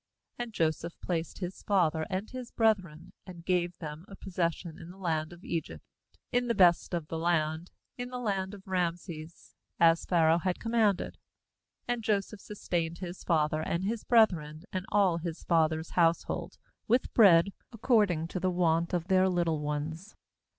"And Joseph placed his father and his brethren, and gave them a possession in the land of Egypt, in the best of the land, in the land of Rameses, as Pharaoh had com manded. ^And Joseph sustained his father, and his brethren, and all his father's household, with bread, ac cording to the want of their little ones.